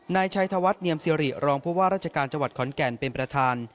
นายชัยธวัลเนียมเซียหรี่รองพุทธว่ารัชการจังหวัดขอนแก่นเป็นประทาน